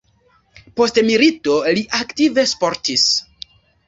Post milito li aktive sportis.